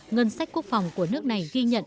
ngân sách quốc phòng của nước này ghi nhận